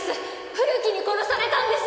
古木に殺されたんです。